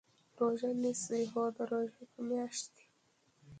روژه نیسئ؟ هو، د روژی په میاشت کې